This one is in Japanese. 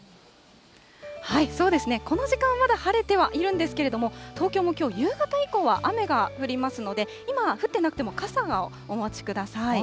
そうですね、この時間はまだ晴れてはいるんですが、東京もきょう夕方以降は雨が降りますので、今は降ってなくても、傘をお持ちください。